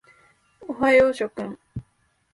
おはよう諸君。